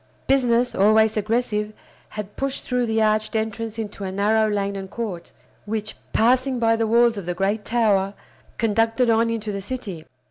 Business, always aggressive, had pushed through the arched entrance into a narrow lane and court, which, passing by the walls of the great tower, conducted on into the city.